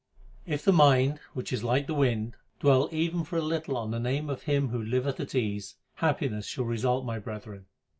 If the mind, which is like the wind, dwell even for a little on the name of Him who liveth at ease, happiness shall result, my brethren.